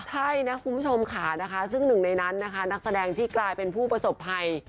ใช่นะคุณผู้ชมค่ะนะคะซึ่งหนึ่งในนั้นนะคะนักแสดงที่กลายเป็นผู้ประสบภัย